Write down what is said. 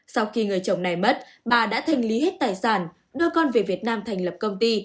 sau khi người chồng này mất bà đã thành lý hết tài sản đưa con về việt nam thành lập công ty